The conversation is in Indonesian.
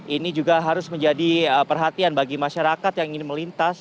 ini juga harus menjadi perhatian bagi masyarakat yang ingin melintas